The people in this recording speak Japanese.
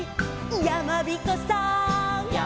「やまびこさん」